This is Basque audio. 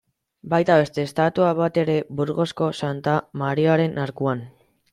Baita beste estatua bat ere, Burgosko Santa Mariaren Arkuan.